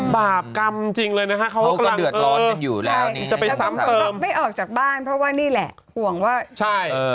บาปกรรมจริงเลยนะฮะ